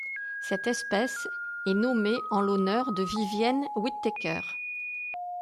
Cette espèce est nommée en l'honneur de Vivienne Whitaker.